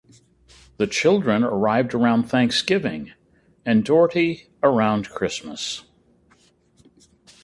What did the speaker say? The children arrived around Thanksgiving and Doherty around Christmas.